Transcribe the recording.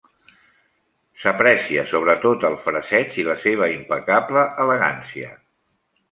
S'aprecia sobretot el fraseig i la seva impecable elegància.